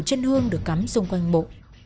chân hương được cắm xung quanh mộ